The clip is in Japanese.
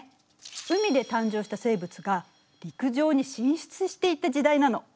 海で誕生した生物が陸上に進出していった時代なの。